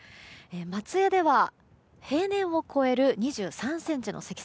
松江では平年を超える２３ｃｍの積雪。